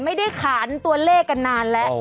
ไม่ได้ขานตัวเลขกันนานแล้ว